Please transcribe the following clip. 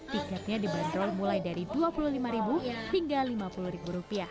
tiketnya dibanderol mulai dari rp dua puluh lima hingga rp lima puluh